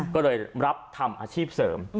ก็เลยรับทำอาชีพเสริม